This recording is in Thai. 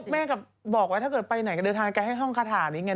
แม่ก็บอกถ้าไปไหนก็เดินทางให้ให้ห้องคาถรอ่ะนี่แม่ง